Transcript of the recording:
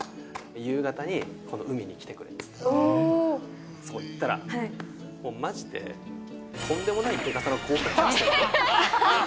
夕方にこの海に来てくれって言って、そこに行ったら、もうまじで、とんでもないでかさの豪華客船が。